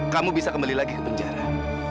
kamu bisa kembali lagi ke penjara